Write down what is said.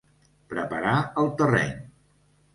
Preparar el terreny.